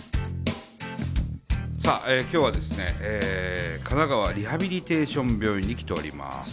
さあ今日はですね神奈川リハビリテーション病院に来ております。